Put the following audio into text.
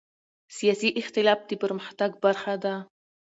سیاسي اختلاف د پرمختګ برخه ده